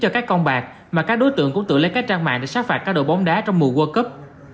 các đối tượng cũng tự lấy các trang mạng để sát phạt các đội bóng đá trong mùa quốc cấp